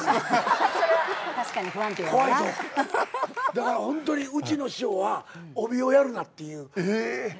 だからホントにうちの師匠は帯をやるなって言う。